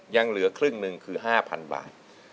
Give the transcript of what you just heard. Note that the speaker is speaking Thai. ยังเหลือครึ่งหนึ่งคือ๕๐๐๐บาท